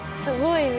すごい。